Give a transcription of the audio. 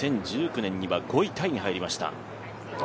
２０１９年には５位タイに入りました。